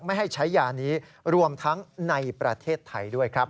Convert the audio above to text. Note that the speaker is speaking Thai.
ไม่ให้ใช้ยานี้รวมทั้งในประเทศไทยด้วยครับ